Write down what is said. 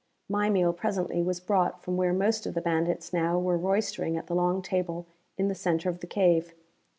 My meal presently was brought from where most of the bandits now were roistering at the long table in the center of the cave.